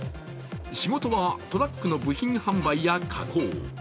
仕事はトラックの部品販売や加工。